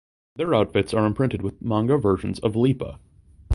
Their outfits are imprinted with manga versions of Lipa.